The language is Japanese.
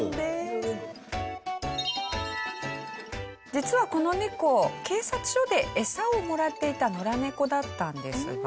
実はこの猫警察署でエサをもらっていた野良猫だったんですが。